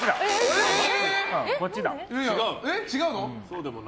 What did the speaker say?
違うの？